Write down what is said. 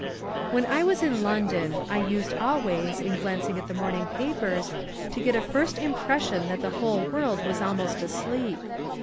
When I was in London I used always, in glancing at the morning papers, to get a first impression that the whole world was almost asleep.